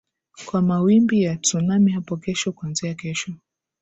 kwa mawimbi ya tsunami hapo kesho kuanzia kesho